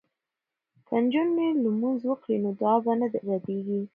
که نجونې لمونځ وکړي نو دعا به نه ردیږي.